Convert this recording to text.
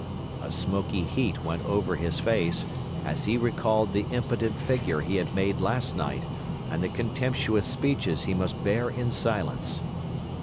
A smoky heat went over his face, as he recalled the impotent figure he had made last night and the contemptuous speeches he must bear in silence.